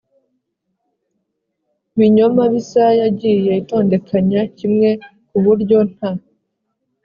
binyoma bisa yagiye itondekanya kimwe ku buryo nta